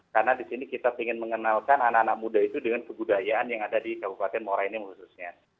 karena di sini kita ingin mengenalkan anak anak muda itu dengan kebudayaan yang ada di kabupaten morenin khususnya